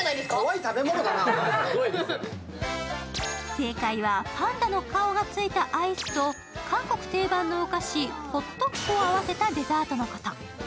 正解は、パンダの顔がついたアイスと、韓国定番のお菓子・ホットックを合わせたデザートのこと。